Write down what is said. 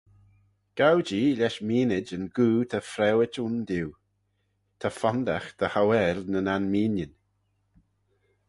Gow-jee lesh meenid yn goo ta fraueit ayndiu, ta fondagh dy hauail nyn anmeenyn.